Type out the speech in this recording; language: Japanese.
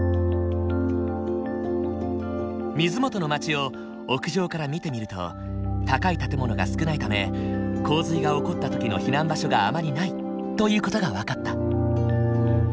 水元の町を屋上から見てみると高い建物が少ないため洪水が起こった時の避難場所があまりないという事が分かった。